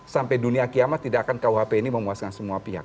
sampai dunia kiamat tidak akan kuhp ini memuaskan semua pihak